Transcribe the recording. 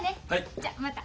じゃまた。